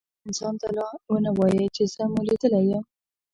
هیڅ انسان ته لا ونه وایئ چي زه مو لیدلی یم.